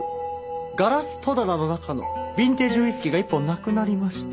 ガラス戸棚の中のビンテージウイスキーが１本なくなりました。